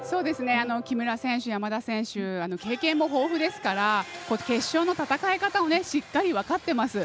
木村選手、山田選手経験も豊富ですから決勝の戦い方をしっかり、分かっています。